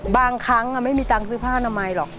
บางครั้งไม่มีตังค์ซื้อผ้าอนามัยหรอก